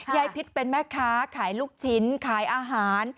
พิษเป็นแม่ค้าขายลูกชิ้นขายอาหาร